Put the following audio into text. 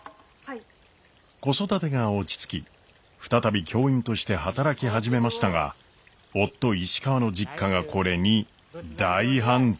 子育てが落ち着き再び教員として働き始めましたが夫石川の実家がこれに大反対。